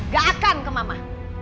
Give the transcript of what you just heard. gak akan ke mama